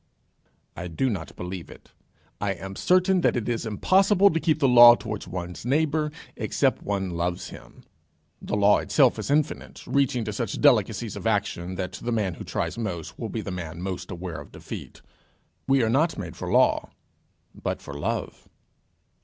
I do not believe it. I am certain that it is impossible to keep the law towards one's neighbour except one loves him. The law itself is infinite, reaching to such delicacies of action, that the man who tries most will be the man most aware of defeat. We are not made for law, but for love.